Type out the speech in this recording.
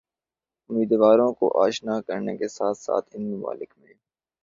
امیدواروں کو آشنا کرنے کے ساتھ ساتھ ان ممالک میں